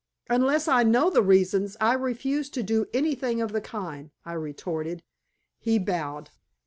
"Unless I know the reasons, I refuse to do anything of the kind," I retorted. He bowed.